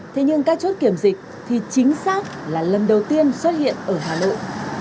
thế nhưng các chốt kiểm dịch thì chính xác là lần đầu tiên xuất hiện ở hà nội